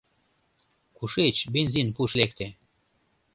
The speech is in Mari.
Кушеч бензин пуш лекте?